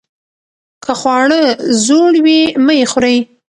که خواړه زوړ وي مه یې خورئ.